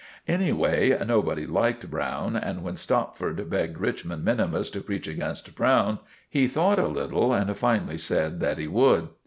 Anyway, nobody liked Browne, and when Stopford begged Richmond minimus to preach against Browne, he thought a little and finally said that he would.